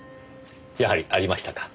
やはりありましたか。